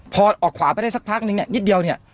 พอออกขวาไปได้สักพักนึงนิดเดียว